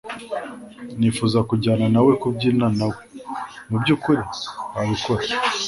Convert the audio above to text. nifuza kujyana nawe kubyina nawe. mubyukuri? wabikora